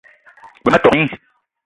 G-beu ma tok gni.